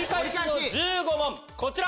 こちら。